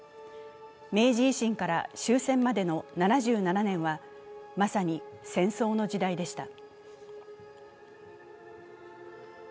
明治維新から終戦までの７７年は、まさに戦争の時代でした。